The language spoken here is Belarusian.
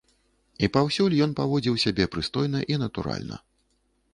І паўсюль ён паводзіў сябе прыстойна і натуральна.